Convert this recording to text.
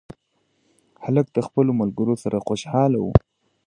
هلک د خپلو ملګرو سره خوشحاله و.